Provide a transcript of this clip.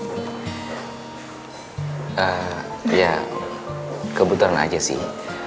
ya kebetulan aja sih